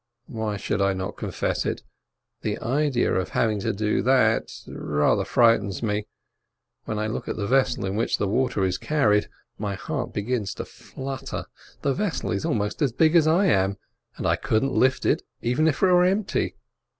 Why should I not confess it? The idea of having to do that rather frightens me. When I look at the vessel in which the water is carried, my heart begins to flutter: the vessel is almost as big as I am, and I couldn't lift it even if it were empty.